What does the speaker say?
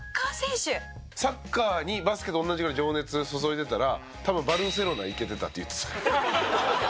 サッカーにバスケと同じぐらい情熱注いでたら多分バルセロナ行けてたって言ってた。